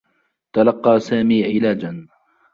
تلقّى سامي علاجا.